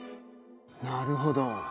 なるほど。